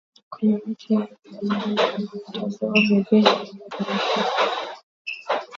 Kuna miti ya aina mbalimbali kama mitondoo mivinje na mikaratusi